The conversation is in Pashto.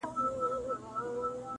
غلیم وایي پښتون پرېږدی چي بیده وي-